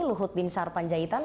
luhut bin sarpanjaitan